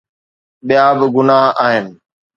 ٻيا به گناهه آهن.